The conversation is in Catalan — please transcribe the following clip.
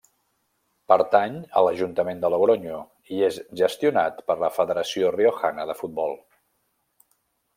Pertany a l'Ajuntament de Logronyo i és gestionat per la Federació Riojana de Futbol.